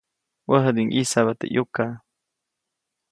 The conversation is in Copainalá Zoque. Wäjädiʼuŋ ʼyisjabya teʼ ʼyuka.